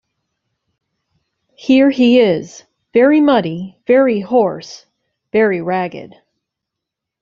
Here he is, very muddy, very hoarse, very ragged.